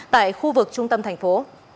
tại khu vực trung tâm thành phố